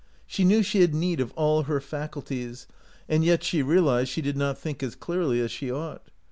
She knew she had need of all her faculties, and yet she realized she did not think as clearly as she ought.